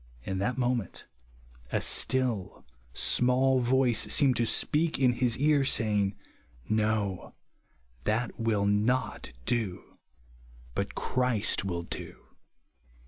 In that moment, a still small voice seemed to speak in his ear, say ing, " No, that will not do ; but Christ will do."